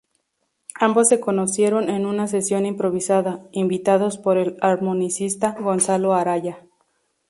Ambos se conocieron en una sesión improvisada, invitados por el armonicista Gonzalo Araya.